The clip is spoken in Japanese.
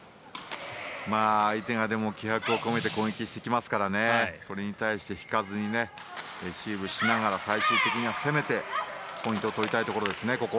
相手が気迫を込めて攻撃してきますからそれに対して引かずにレシーブしながら最終的には攻めてポイントを取りたいところですね。